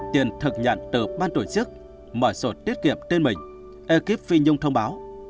tiền thực nhận từ ban tổ chức mở sổ tiết kiệm tên mình ekip phi nhung thông báo